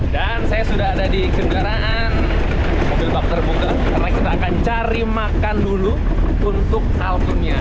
dan saya sudah ada di kegaraan mobil bakter buka karena kita akan cari makan dulu untuk kalkunnya